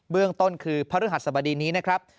เรื่องต้นคือพระฤหัสสบดีนี้นะครับ